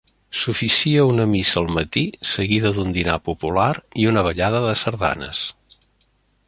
S'oficia una missa al matí, seguida d'un dinar popular i una ballada de sardanes.